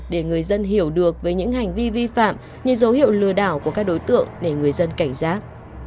để người dân hiểu được về những hành vi vi phạm như dấu hiệu lừa đảo của các đối tượng để người dân cảnh giác